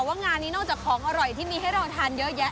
ว่างานนี้นอกจากของอร่อยที่มีให้เราทานเยอะแยะ